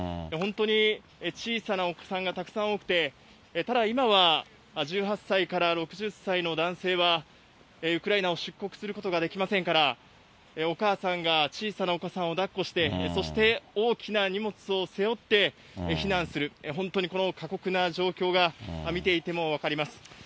本当に、小さなお子さんがたくさん多くて、ただ今は、１８歳から６０歳の男性はウクライナを出国することができませんから、お母さんが小さなお子さんをだっこして、そして大きな荷物を背負って避難する、本当にこの過酷な状況が、見ていても分かります。